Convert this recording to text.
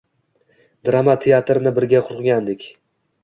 Drama teatrini birga qurgandik.